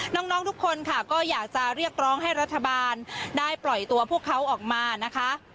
น้องทุกคนค่ะก็อยากจะเรียกร้องให้รัฐบาลได้ปล่อยตัวพวกเขาออกมานะคะ